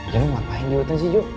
ya ngapain diwetan sih jok